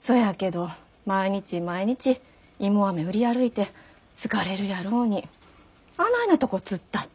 そやけど毎日毎日芋アメ売り歩いて疲れるやろうにあないなとこ突っ立って。